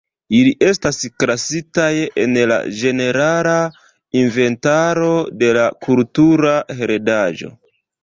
Ili estas klasitaj en la ĝenerala inventaro de la kultura heredaĵo.